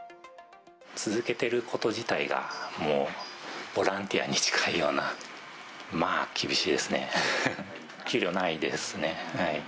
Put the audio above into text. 続けてること自体がもうボランティアに近いような、まあ、厳しいですね。